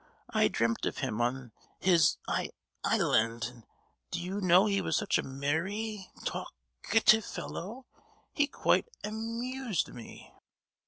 I dreamt of him on his is—land, and do you know he was such a merry, talk—ative fellow, he quite am—used me!"